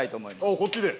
あっこっちで？